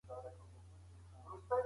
ولې ځینې ټکي ناسم ځای کې دي؟